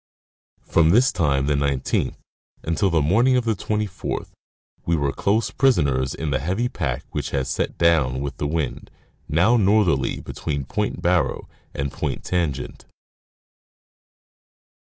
From this time, the 19th, until the morning of the 24th, we were close prisoners in the heavy pack which had set down with the wind, now northerly, between Point Barrow and Point. Tangent.